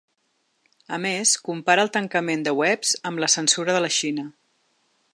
A més, compara el tancament de webs amb la censura de la Xina.